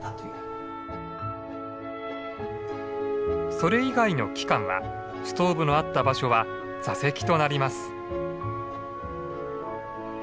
それ以外の期間はストーブのあった場所は座席となります。